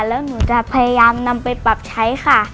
แล้วหนูจะพยายามนำไปปรับใช้ค่ะ